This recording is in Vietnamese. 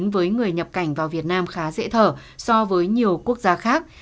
với người nhập cảnh vào việt nam khá dễ thở so với nhiều quốc gia khác